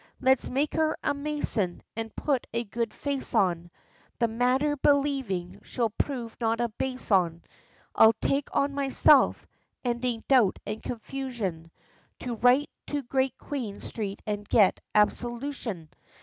Let's make her a mason, And put a good face on The matter, believing she'll prove not a base one; I'll take on myself ending doubt and confusion To write to Great Queen Street and get absolution!'